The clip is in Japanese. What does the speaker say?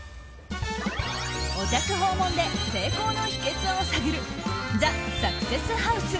お宅訪問で成功の秘訣を探るＴＨＥサクセスハウス